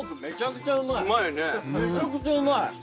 めちゃくちゃうまい。